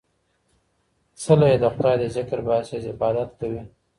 څله يې د خداى د ذکر باسې ، عبادت کوي